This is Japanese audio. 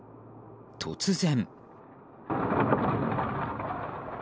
突然。